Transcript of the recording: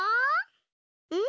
うん？